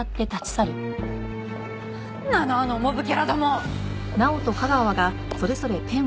なんなのあのモブキャラども！